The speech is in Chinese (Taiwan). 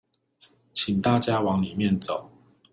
請大家往裡面走